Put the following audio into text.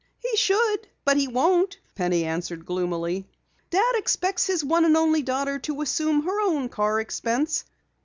"He should but he won't," Penny answered gloomily. "Dad expects his one and only daughter to assume her own car expense.